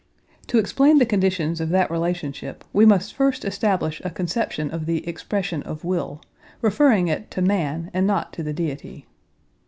To explain the conditions of that relationship we must first establish a conception of the expression of will, referring it to man and not to the Deity.